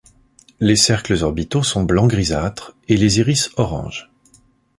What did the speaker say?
Les cercles orbitaux sont blanc grisâtre et les iris orange.